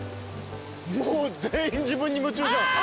もう全員自分に夢中じゃん。